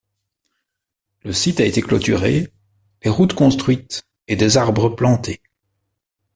Le site a été clôturé, les routes construites et des arbres plantés.